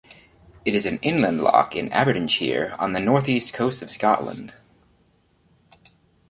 It is an inland loch in Aberdeenshire on the north east coast of Scotland.